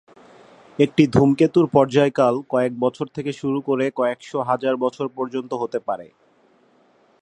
একটি ধূমকেতুর পর্যায়কাল কয়েক বছর থেকে শুরু করে কয়েকশ’ হাজার বছর পর্যন্ত হতে পারে।